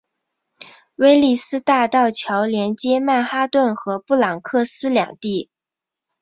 威利斯大道桥连接曼哈顿和布朗克斯两地。